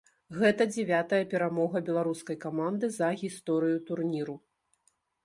Гэта дзявятая перамога беларускай каманды за гісторыю турніру.